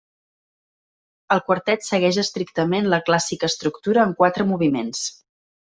El quartet segueix estrictament la clàssica estructura en quatre moviments.